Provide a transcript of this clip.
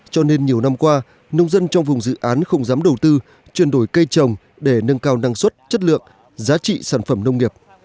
cho nên nhiều năm qua nông dân trong vùng dự án không dám đầu tư chuyển đổi cây trồng để nâng cao năng suất chất lượng giá trị sản phẩm nông nghiệp